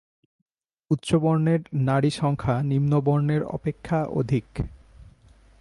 উচ্চবর্ণের নারী-সংখ্যা নিম্নবর্ণের অপেক্ষা অধিক।